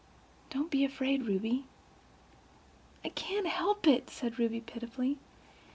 Don't be afraid, Ruby." "I can't help it," said Ruby pitifully.